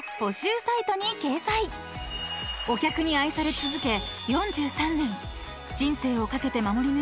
［お客に愛され続け４３年］